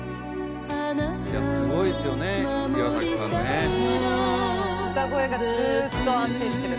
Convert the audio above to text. すごいですよね岩崎さんね。歌声がずっと安定してる。